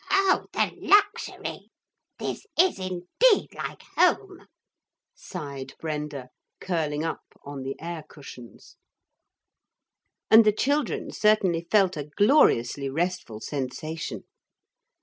'Oh, the luxury! This is indeed like home,' sighed Brenda, curling up on the air cushions. And the children certainly felt a gloriously restful sensation.